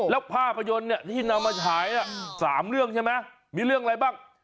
แล้วภาพยนตร์ที่นำมาฉาย๓เรื่องใช่ไหมมีเรื่องอะไรบ้าง